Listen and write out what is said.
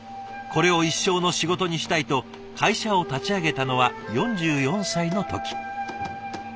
これを一生の仕事にしたいと会社を立ち上げたのは４４歳の時。